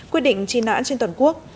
quyết định chi nãn trên toàn quốc